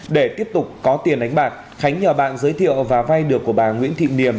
để tiếp tục có tiền đánh bạc khánh nhờ bạn giới thiệu và vay được của bà nguyễn thị niềm